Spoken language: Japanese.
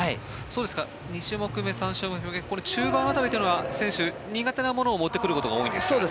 ２種目目、３種目目中盤辺りというのは選手は苦手なものを持ってくることが多いんですか？